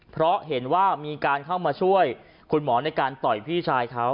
เพราะเห็นว่ามีการเข้ามาช่วยคุณหมอในการต่อยพี่ชายเขา